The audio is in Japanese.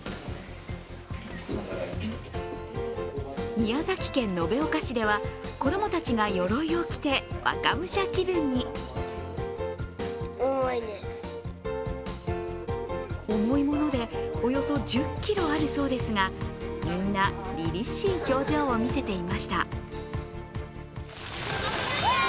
宮崎県延岡市では子供たちがよろいを着て重いものでおよそ１０ｋｇあるそうですがみんなりりしい表情を見せていました。